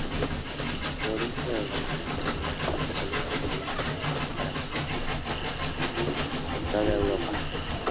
Por eso se organizan regularmente colectas de instrumentos para Music Fund en toda Europa.